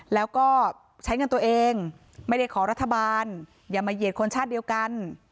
แล้วก็ใช้เงินตัวเองไม่ได้ขอรัฐบาลอย่ามาเหยียดคนชาติเดียวกัน